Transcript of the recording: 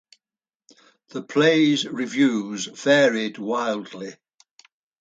The play’s reviews varied wildly.